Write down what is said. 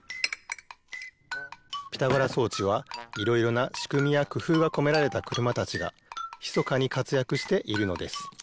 ピタゴラそうちはいろいろなしくみやくふうがこめられたくるまたちがひそかにかつやくしているのです。